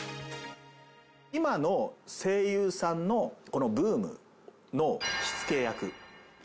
今の声優さんのブームの火付け役。